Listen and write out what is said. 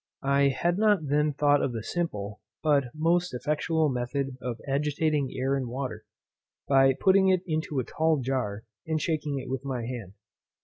I had not then thought of the simple, but most effectual method of agitating air in water, by putting it into a tall jar and shaking it with my hand.